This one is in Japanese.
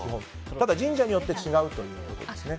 ただ神社によって違うということですね。